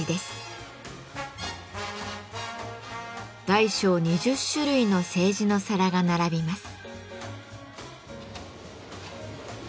大小２０種類の青磁の皿が並びます。